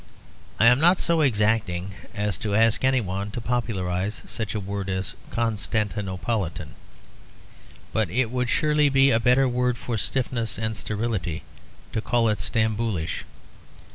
I am not so exacting as to ask any one to popularise such a word as "Constantinopolitan." But it would surely be a better word for stiffness and sterility to call it Stamboulish.